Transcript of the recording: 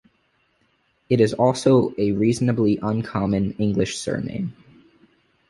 It is also a reasonably uncommon English surname.